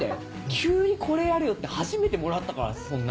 急に「これやるよ」って初めてもらったからそんな。